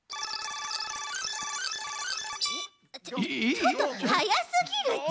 ちょっとはやすぎるち！